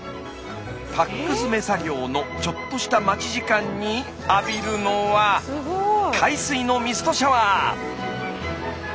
パック詰め作業のちょっとした待ち時間に浴びるのは海水のミストシャワー！